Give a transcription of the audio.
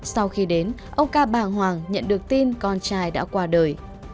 sau khi đến ông ca bàng hoàng nhận được tin con trai đã qua đời